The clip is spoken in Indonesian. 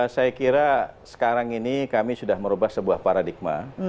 saya kira sekarang ini kami sudah merubah sebuah paradigma